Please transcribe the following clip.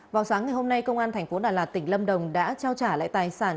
vào sáng ngày hôm nay công an thành phố đà lạt tỉnh lâm đồng đã trao trả lại tài sản